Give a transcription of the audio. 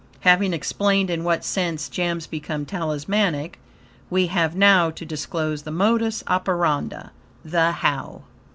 Having explained in what sense gems become talismanic, we have now to disclose the modus operandi THE HOW.